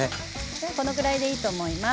じゃあこのぐらいでいいと思います。